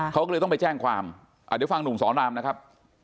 เขาก็เลยต้องไปแจ้งความเดี๋ยวฟังหนุ่มสอนรามนะครับ